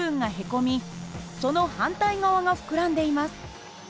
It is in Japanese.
その反対側が膨らんでいます。